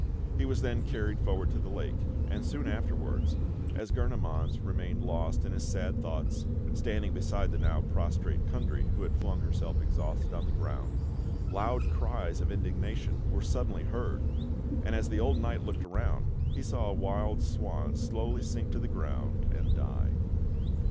He was then carried forward to the lake; and soon afterwards as Gurnemanz remained lost in his sad thoughts, standing beside the now prostrate Kundry, who had flung herself exhausted on the ground loud cries of indignation were suddenly heard, and as the old knight looked around, he saw a wild swan slowly sink to the ground and die.